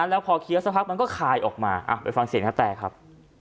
แล้วพอเคี้ยวสักพักมันก็คายออกมาไปฟังเสียงนาแตครับ